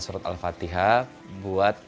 surat al fatihah buat